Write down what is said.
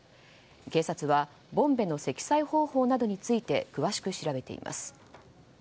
警察はボンベの積載方法などについて詳しく調べています。